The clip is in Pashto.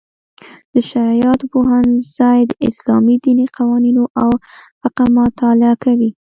د شرعیاتو پوهنځی د اسلامي دیني قوانینو او فقه مطالعه کوي.